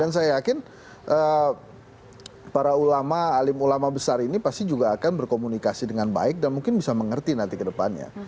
dan saya yakin para alim ulama besar ini pasti juga akan berkomunikasi dengan baik dan mungkin bisa mengerti nanti ke depannya